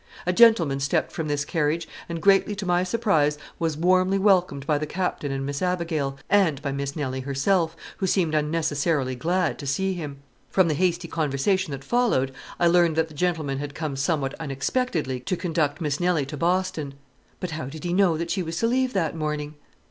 A gentleman stepped from this carriage, and greatly to my surprise was warmly welcomed by the Captain and Miss Abigail, and by Miss Nelly herself, who seemed unnecessarily glad to see him. From the hasty conversation that followed I learned that the gentleman had come somewhat unexpectedly to conduct Miss Nelly to Boston. But how did he know that she was to leave that morning?